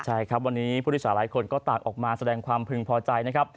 ใช่ครับวันนี้ผู้โดยสารหลายคนก็ต่างออกมาแสดงความพึงพอใจนะครับ